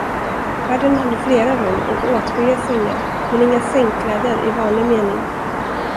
Värden hade flera rum och åtskilliga sängar, men inga sängkläder i vanlig mening.